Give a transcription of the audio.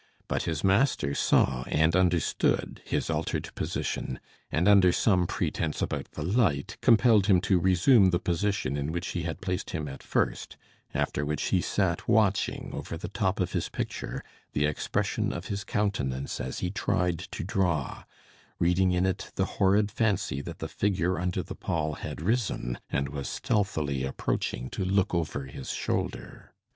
But his master saw and understood his altered position; and under some pretence about the light, compelled him to resume the position in which he had placed him at first; after which he sat watching, over the top of his picture, the expression of his countenance as he tried to draw; reading in it the horrid fancy that the figure under the pall had risen, and was stealthily approaching to look over his shoulder.